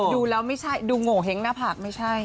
ดูแล้วไม่ใช่ดูโงเห้งหน้าผากไม่ใช่